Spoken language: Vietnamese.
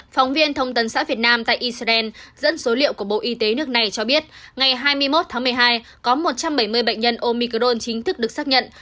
phóng viên thông tấn xã việt nam tại israel dẫn số liệu của bộ y tế nước này cho biết ngày hai mươi một tháng một mươi hai có một trăm bảy mươi bệnh nhân omicron chính thức được xác nhận